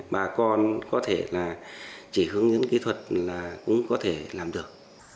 bà con có thể là chỉ hướng dẫn kỹ thuật là cũng có thể làm được